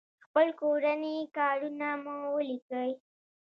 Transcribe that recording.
خپل کورني کارونه مو وليکئ!